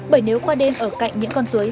bởi nếu qua đêm ở cạnh những con suối